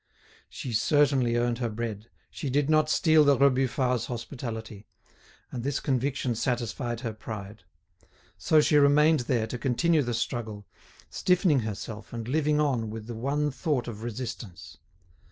She certainly earned her bread, she did not steal the Rebufats' hospitality; and this conviction satisfied her pride. So she remained there to continue the struggle, stiffening herself and living on with the one thought of resistance.